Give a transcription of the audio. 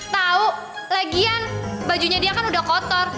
tahu lagian bajunya dia kan udah kotor